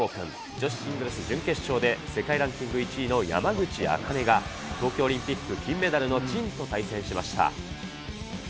女子シングルス準決勝で世界ランキング１位の山口茜が、東京オリンピック金メダルの陳と対戦しました。